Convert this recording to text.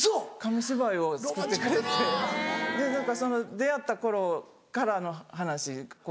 出会った頃からの話こう。